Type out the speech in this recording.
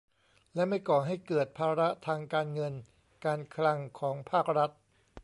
และไม่ก่อให้เกิดภาระทางการเงินการคลังของภาครัฐ